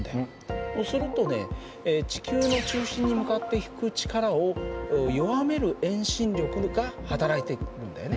するとね地球の中心に向かって引く力を弱める遠心力が働いているんだよね。